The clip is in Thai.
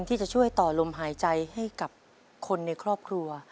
ที่จะช่วยต่อลมหายใจให้กับคนในครอบครัว